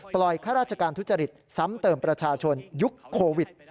ข้าราชการทุจริตซ้ำเติมประชาชนยุคโควิด